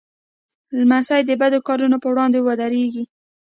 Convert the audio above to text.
لمسی د بد کارونو پر وړاندې ودریږي.